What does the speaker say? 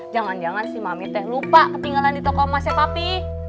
jangan jangan si mami teh lupa ketinggalan di toko emasnya papi